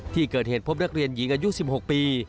ที่เกิดเหตุพบนักเรียนหญิงอายุ๑๖ปี